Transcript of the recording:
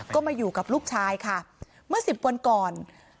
ก็มาอยู่กับลูกชายค่ะเมื่อ๑๐วันก่อน